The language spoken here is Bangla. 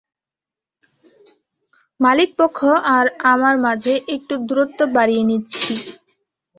মালিক পক্ষ আর আমার মাঝে একটু দুরত্ব বাড়িয়ে নিচ্ছি।